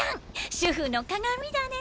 主婦の鑑だね。